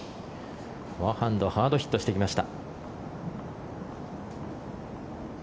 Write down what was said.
フォアハンドハードヒットしてきました。